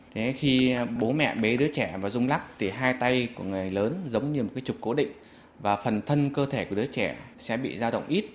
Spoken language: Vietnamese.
thế khi bố mẹ bế đứa trẻ vào dùng lọc thì hai tay của người lớn giống như một trục cố định và phần thân cơ thể của đứa trẻ sẽ bị giao động ít